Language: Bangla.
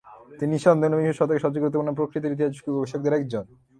তিনি নিঃসন্দেহে ঊনবিংশ শতকের সবচেয়ে গুরুত্বপূর্ণ প্রাকৃতিক ইতিহাস গবেষকদের একজন।